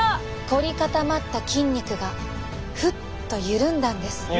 凝り固まった筋肉がフッと緩んだんです。